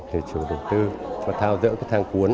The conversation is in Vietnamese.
thì chủ đầu tư thao dỡ cái thang cuốn